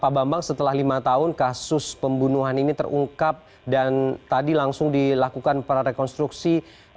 pak bambang setelah lima tahun kasus pembunuhan ini terungkap dan tadi langsung dilakukan prarekonstruksi